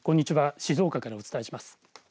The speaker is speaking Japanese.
静岡からお伝えします。